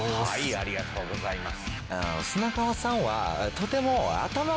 ありがとうございます。